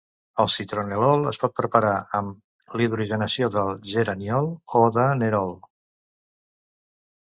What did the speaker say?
El citronel·lol es pot preparar amb l'hidrogenació de geraniol o de nerol.